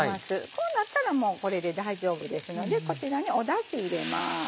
こうなったらもうこれで大丈夫ですのでこちらにだし入れます。